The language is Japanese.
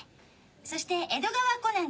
そして江戸川コナンくん。